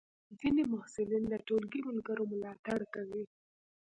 ځینې محصلین د ټولګی ملګرو ملاتړ کوي.